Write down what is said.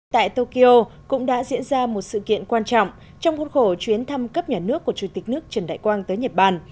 tại tokyo cũng đã diễn ra một sự kiện quan trọng trong khuôn khổ chuyến thăm cấp nhà nước của chủ tịch nước trần đại quang tới nhật bản